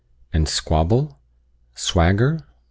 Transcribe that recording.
and squabble? swagger?